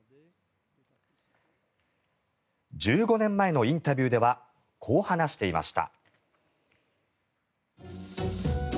１５年前のインタビューではこう話していました。